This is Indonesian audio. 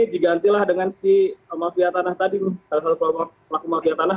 digantilah dengan si mafia tanah tadi salah satu kelompok pelaku mafia tanah